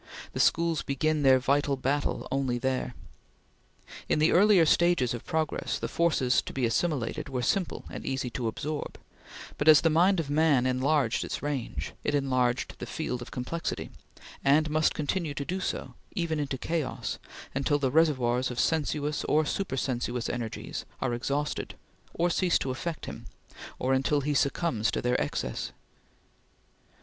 The schools begin their vital battle only there. In the earlier stages of progress, the forces to be assimilated were simple and easy to absorb, but, as the mind of man enlarged its range, it enlarged the field of complexity, and must continue to do so, even into chaos, until the reservoirs of sensuous or supersensuous energies are exhausted, or cease to affect him, or until he succumbs to their excess.